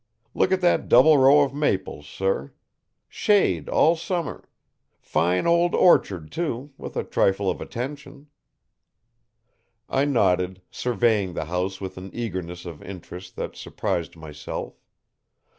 Look at that double row of maples, sir. Shade all summer! Fine old orchard, too; with a trifle of attention." I nodded, surveying the house with an eagerness of interest that surprised myself.